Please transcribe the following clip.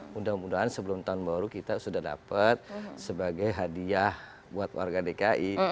mudah mudahan sebelum tahun baru kita sudah dapat sebagai hadiah buat warga dki